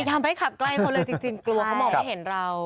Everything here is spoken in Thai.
ทำให้ขับใกล้เขาเลยจริงกลัวเขามองไม่เห็นเรา